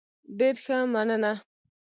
ډیر ښه، مننه.